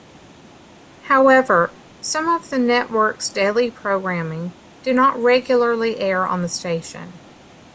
However, some of the network's daily programming did not regularly air on the station.